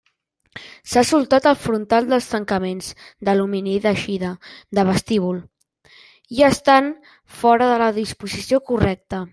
S'ha soltat el frontal dels tancaments d'alumini d'eixida de vestíbul, i estan fora de la disposició correcta.